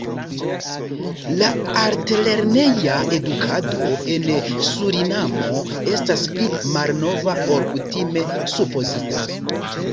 La altlerneja edukado en Surinamo estas pli malnova ol kutime supozita.